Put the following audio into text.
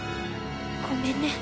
ごめんね